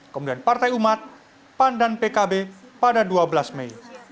kemudian partai umat pan dan pkb pada dua belas mei